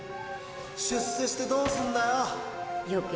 出世してどうすんだよ。